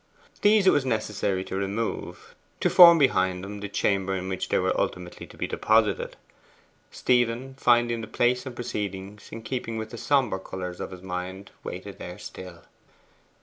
These it was necessary to remove, to form behind them the chamber in which they were ultimately to be deposited. Stephen, finding the place and proceedings in keeping with the sombre colours of his mind, waited there still.